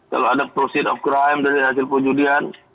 kalau ada proceed of crime dari hasil penjudian